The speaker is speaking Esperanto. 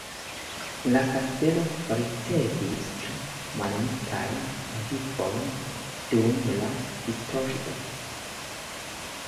La kastelo ricevis tre malmultajn modifojn dum la historio.